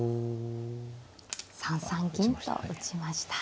３三銀と打ちました。